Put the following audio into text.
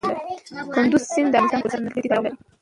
کندز سیند د افغان کلتور سره نږدې تړاو لري.